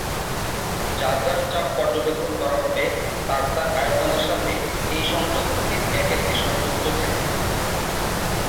যার যার চাপ পর্যবেক্ষণ করা হবে তার তার আয়তনের সাথে এই সংযোগ দুটির এক-একটি সংযুক্ত থাকে।